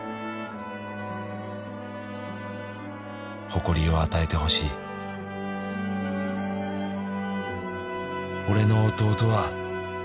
「誇りを与えてほしい」「俺の弟は」